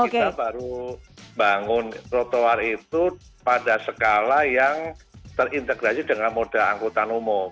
kita baru bangun trotoar itu pada skala yang terintegrasi dengan moda angkutan umum